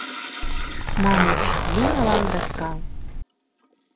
Маньыч: «Лий мылам рыскал!»